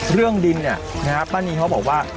เรื่องดินนะครับป้านีเขาบอกว่า